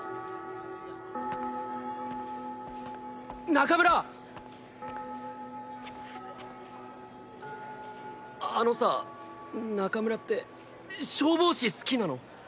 中村あのさ中村って消防士好きなの？